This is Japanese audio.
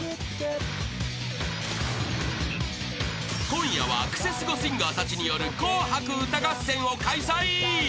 ［今夜はクセスゴシンガーたちによる紅白歌合戦を開催］